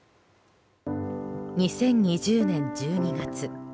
２０２０年１２月。